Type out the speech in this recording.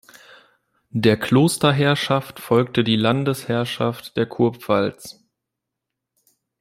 Der Klosterherrschaft folgte die Landesherrschaft der Kurpfalz.